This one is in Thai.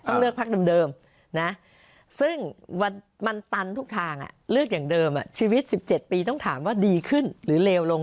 เลือกพักเดิมนะซึ่งมันตันทุกทางเลือกอย่างเดิมชีวิต๑๗ปีต้องถามว่าดีขึ้นหรือเลวลง